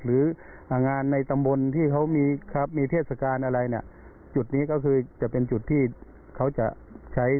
หรืองานในตำบลที่เขามีเทศกาลอะไรเนี่ยจุดนี้ก็คือจะเป็นจุดที่เขาจะใช้